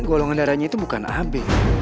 golongan darahnya itu bukan ahab